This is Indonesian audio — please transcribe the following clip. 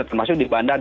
termasuk di bandara